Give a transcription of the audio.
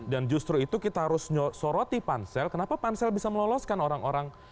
dan justru itu kita harus soroti pansel kenapa pansel bisa meloloskan orang orang